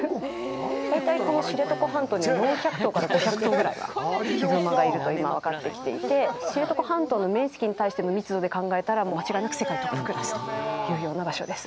大体この知床半島には４００頭から５００頭ぐらいはヒグマがいると今分かってきていて、知床半島の面積に対しての密度で考えたら間違いなく世界トップクラスというような場所です。